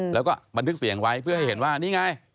แล้วก็บันทึกเสียงไว้เพื่อให้เห็นว่านี่ไง